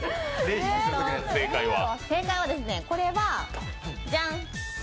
正解は、これはジャン！